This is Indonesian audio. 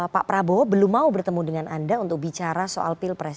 pak prabowo belum mau bertemu dengan anda untuk bicara soal pilpres